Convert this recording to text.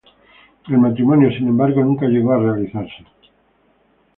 El matrimonio, sin embargo, nunca llegó a realizarse.